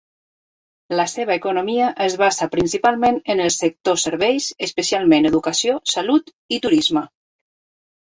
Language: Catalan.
La seva economia es basa principalment en el sector serveis, especialment educació, salut i turisme.